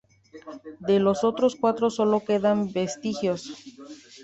De los otros cuatro sólo quedan vestigios.